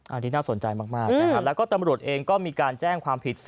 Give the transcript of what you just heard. อันนี้น่าสนใจมากนะฮะแล้วก็ตำรวจเองก็มีการแจ้งความผิด